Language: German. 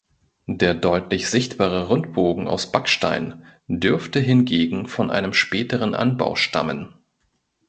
Der deutlich sichtbare Rundbogen aus Backstein dürfte hingegen von einem späteren Anbau stammen.